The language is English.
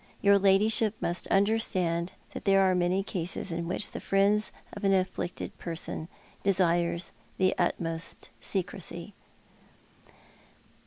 Your ladyship must understand that there are many cases in which the friends of an afflicted person desire the utmost secrecy."